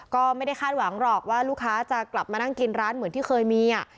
ก็ไม่ได้คาดหวังหรอกว่าลูกค้าจะกลับมานั่งกินร้านเหมือนที่เคยมี